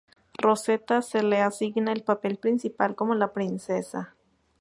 Rosetta se le asigna el papel principal como la princesa.